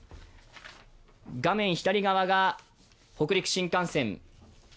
画面左側が北陸新幹線。